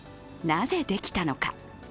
なぜできたのか。